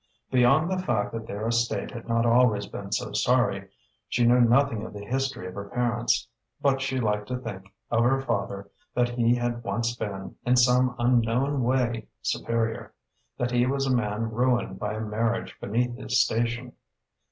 Beyond the fact that their estate had not always been so sorry, she knew nothing of the history of her parents; but she liked to think of her father, that he had once been, in some unknown way, superior: that he was a man ruined by a marriage beneath his station.